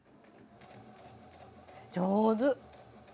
上手。